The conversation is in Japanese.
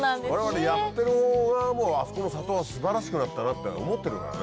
我々やってるほう側もあそこの里は素晴らしくなったなって思ってるからね。